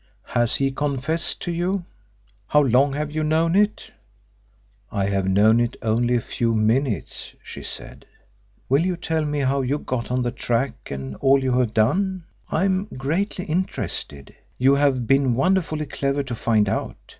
"Has he confessed to you? How long have you known it?" "I have known it only a few minutes," she said. "Will you tell me how you got on the track and all you have done? I am greatly interested. You have been wonderfully clever to find out.